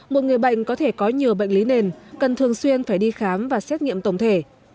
một người bệnh có thể có nhiều bệnh lý nền cần thường xuyên phải đi khám và xét nghiệm tổng thể